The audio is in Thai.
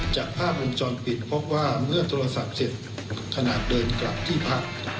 จากภาพมุมชนปิดเพราะว่าเมื่อโทรศัพท์เสร็จถนัดเดินกลับที่พัก